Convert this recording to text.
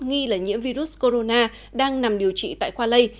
nghi là nhiễm virus corona đang nằm điều trị tại khoa lây